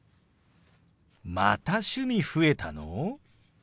また趣味増えたの！？